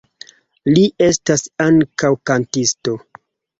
Li estas ankaŭ kantisto.